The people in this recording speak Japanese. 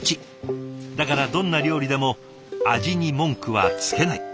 だからどんな料理でも味に文句はつけない。